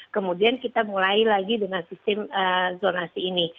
kemudian kita mulai lagi dengan sistem zonasi ini